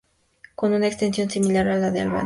Con una extensión similar a la de Albania.